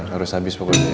harus habis pokoknya